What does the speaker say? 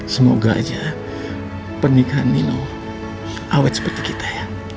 semoga aja pernikahan nino awet seperti kita ya